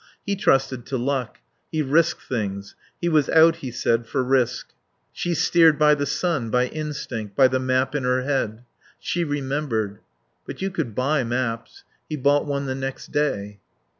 He trusted to luck; he risked things; he was out, he said, for risk. She steered by the sun, by instinct, by the map in her head. She remembered. But you could buy maps. He bought one the next day.